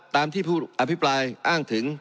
ตามที่ผู้อภิปรายอ้างถึง